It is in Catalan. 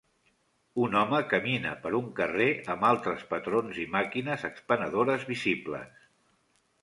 Un home camina per un carrer amb altres patrons i màquines expenedores visibles.